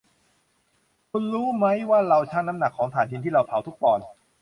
คุณรู้มั้ยว่าเราชั่งน้ำหนักของถ่านหินที่เราเผาทุกปอนด์